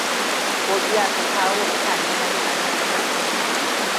Ko bear sun kawo wa mutane hari anan wajen?